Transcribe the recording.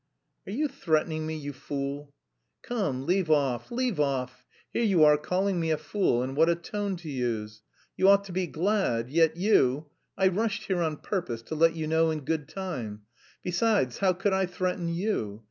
"Are you threatening me, you fool?" "Come, leave off, leave off! Here you are, calling me a fool, and what a tone to use! You ought to be glad, yet you... I rushed here on purpose to let you know in good time.... Besides, how could I threaten you?